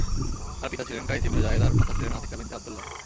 তার পিতা ছিলেন কাইস ইবনে যায়েদ আর মাতা ছিলেন আতেকা বিনতে আবদুল্লাহ।